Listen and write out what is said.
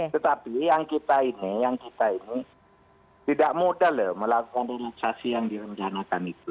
tetapi yang kita ini tidak modal melakukan relaksasi yang direncanakan itu